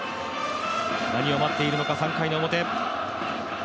何を待っているのか３回の表。